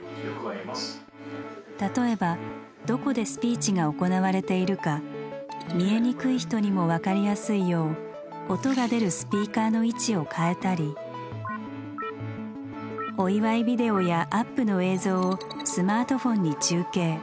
例えばどこでスピーチが行われているか見えにくい人にも分かりやすいよう音が出るスピーカーの位置を変えたりお祝いビデオやアップの映像をスマートフォンに中継。